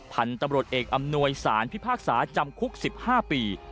พันธุ์ตำรวจเอกอำนวยสารพิพากษาจำคุก๑๕ปี